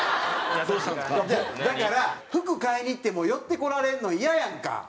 いやだから服買いに行っても寄ってこられるのイヤやんか。